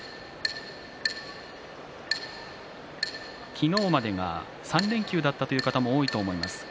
昨日までが３連休だったという方も多いと思います。